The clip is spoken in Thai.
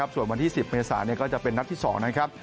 ส่วนวันที่๑๐เมษาก็จะเป็นนัดที่๒นะครับ